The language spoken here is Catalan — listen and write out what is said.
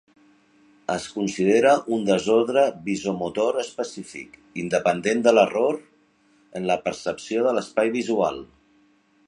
Es considera un desordre visomotor específic, independent de l'error en la percepció de l'espai visual.